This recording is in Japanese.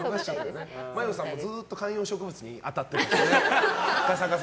麻世さんもずっと観葉植物に当たってましたね。